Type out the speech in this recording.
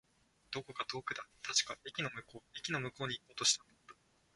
どこか遠くだ。確か、駅の向こう。駅の向こうに行こうとしたんだ。